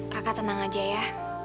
kakak tenang aja ya